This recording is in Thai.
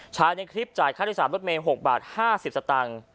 ในคลิปจ่ายค่าโดยสารรถเมย์๖บาท๕๐สตางค์